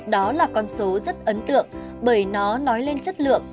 đó là con số rất ấn tượng